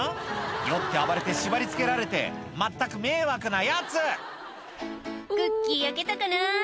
酔って暴れて縛り付けられてまったく迷惑なヤツクッキー焼けたかな？